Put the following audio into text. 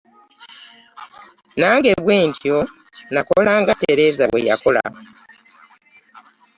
Nange bwe ntyo nnakola nga Tereza bwe yakola.